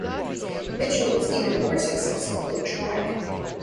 Mitchell was even more successful in track.